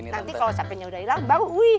nanti kalo capeknya udah hilang baru wuih